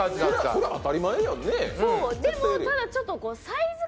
それ当たり前やんね